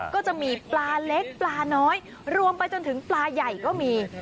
ก็จะมีปลาเล็กปลาน้อยรวมไปจนถึงปลาใหญ่ก็มี